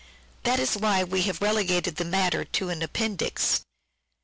This is why we have relegated the matter to an appendix.